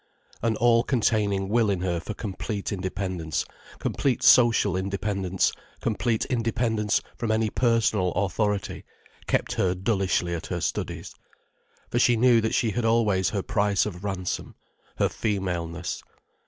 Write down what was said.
An all containing will in her for complete independence, complete social independence, complete independence from any personal authority, kept her dullishly at her studies. For she knew that she had always her price of ransom—her femaleness.